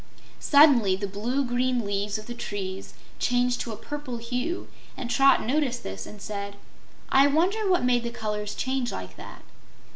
Suddenly the blue green leaves of the trees changed to a purple hue, and Trot noticed this and said: "I wonder what made the colors change like that?"